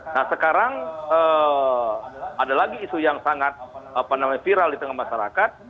nah sekarang ada lagi isu yang sangat viral di tengah masyarakat